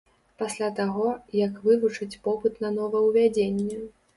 Пасля таго, як вывучаць попыт на новаўвядзенне.